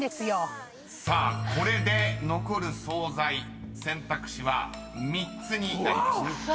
［さあこれで残る惣菜選択肢は３つになりました］